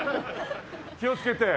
気を付けて。